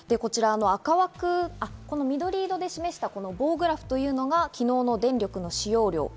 こちら赤枠、緑色で示した棒グラフというのが昨日の電力の使用量。